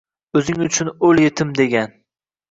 Oʻzing uchun oʻl yetim degan.